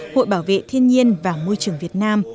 hội bảo vệ thiên nhiên và môi trường việt nam